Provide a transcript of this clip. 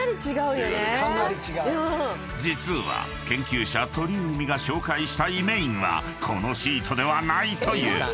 ［実は研究者鳥海が紹介したいメインはこのシートではないという］